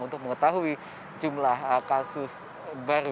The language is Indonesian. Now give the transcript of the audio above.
untuk mengetahui jumlah kasus baru